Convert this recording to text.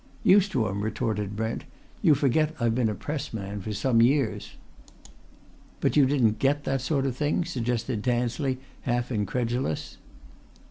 "Used to 'em!" retorted Brent. "You forget I've been a press man for some years." "But you didn't get that sort of thing?" suggested Tansley, half incredulous.